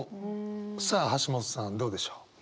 さあ橋本さんどうでしょう？